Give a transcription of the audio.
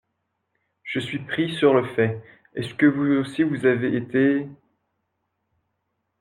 Je suis pris sur le fait. Est-ce que vous aussi vous avez été…